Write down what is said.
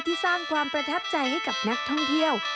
สร้างความประทับใจให้กับนักท่องเที่ยว